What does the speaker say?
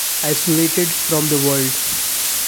"Isolated From The World".